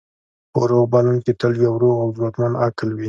په روغ بدن کې تل یو روغ او ځواکمن عقل وي.